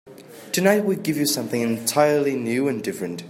Tonight we give you something entirely new and different.